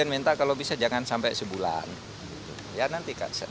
hingga mantan pemain timnas